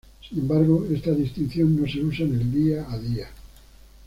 Sin embargo esta distinción no se usa en el día a día.